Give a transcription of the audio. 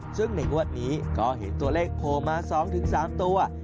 ซึ่งในงวดนี้ก็เห็นตัวเลขโผล่มา๒๓ตัว